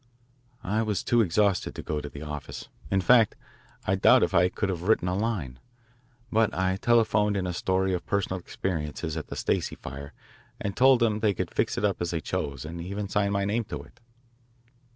I was too exhausted to go to the office. In fact, I doubt if I could have written a line. But I telephoned in a story of personal experiences at the Stacey fire and told them they could fix it up as they chose and even sign my name to it.